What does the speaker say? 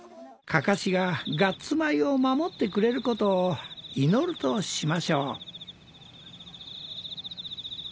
かかしがガッツ米を守ってくれる事を祈るとしましょう。